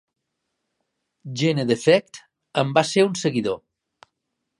"Genedefekt" en va ser un seguidor.